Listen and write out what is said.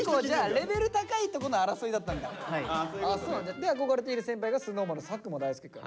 で憧れている先輩がＳｎｏｗＭａｎの佐久間大介くん。